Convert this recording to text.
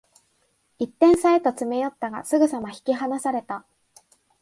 一点差へと詰め寄ったが、すぐさま引き離された